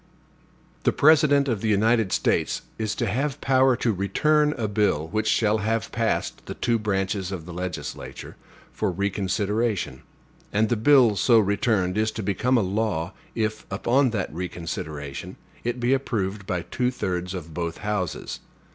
The President of the United States is to have power to return a bill, which shall have passed the two branches of the legislature, for reconsideration; and the bill so returned is to become a law, if, upon that reconsideration, it be approved by two thirds of both houses.